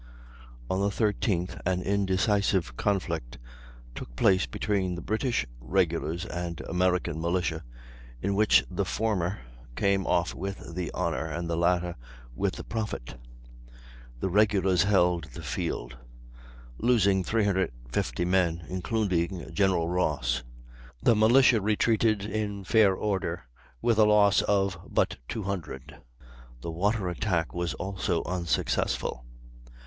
On the 13th an indecisive conflict took place between the British regulars and American militia, in which the former came off with the honor, and the latter with the profit. The regulars held the field, losing 350 men, including General Ross; the militia retreated in fair order with a loss of but 200. The water attack was also unsuccessful.